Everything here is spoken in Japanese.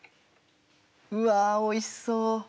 うわおいしそう。